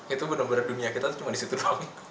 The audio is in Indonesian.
itu benar benar dunia kita cuma di situ doang